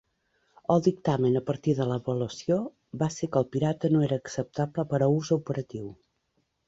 El dictamen a partir de l'avaluació va ser que el Pirata no era acceptable per a ús operatiu.